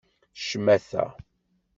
Ccmata!